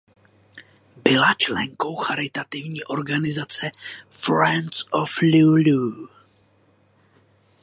Byla členkou charitativní organizace Friends of Lulu.